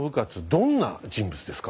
どんな人物ですか？